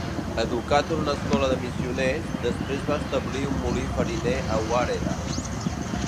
Educat en una escola de missioners, després va establir un molí fariner a Warea.